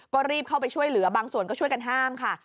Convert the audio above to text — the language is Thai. ก็รีบเข้าไปช่วยเหลือบางส่วนก็ช่วยกันห้ามค่ะ